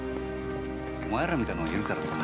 お前らみたいなのがいるからな。